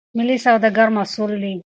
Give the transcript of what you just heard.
ملي سوداګر مسئول دي.